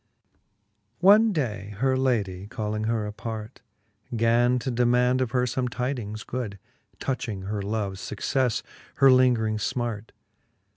One day her ladie, calling her apart, Gan to demaund of her Ibme tydings good, Touching her loves fuccefle, her lingring fmart.